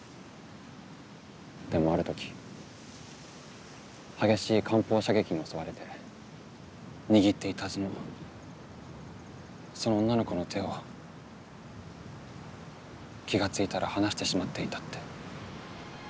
でもある時激しい艦砲射撃に襲われて握っていたはずのその女の子の手を気が付いたら離してしまっていたって。